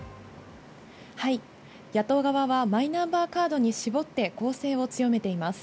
はい、野党側はマイナンバーカードに絞って攻勢を強めています。